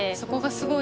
すごい。